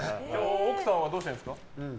奥さんはどうしてるんですか？